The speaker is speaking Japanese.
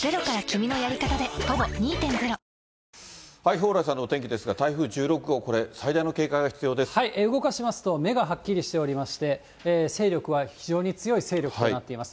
蓬莱さんのお天気ですが、台風１６号、動かしますと、目がはっきりしておりまして、勢力は非常に強い勢力となっています。